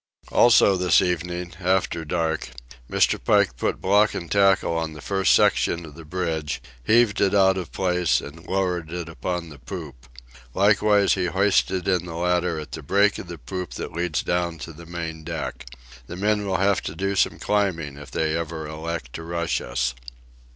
Also, this evening, after dark, Mr. Pike put block and tackle on the first section of the bridge, heaved it out of place, and lowered it upon the poop. Likewise he hoisted in the ladder at the break of the poop that leads down to the main deck. The men will have to do some climbing if they ever elect to rush us.